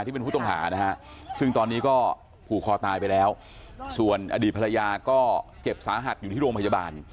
ที่เป็นผู้ต้องหานะฮะซึ่งตอนนี้ก็ผูกคอตายไปแล้วส่วนอดีตภรรยาก็เจ็บสาหัสอยู่ที่โรงพยาบาล